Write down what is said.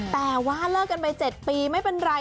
แต่ว่าเลิกกันไป๗ปีไม่เป็นไร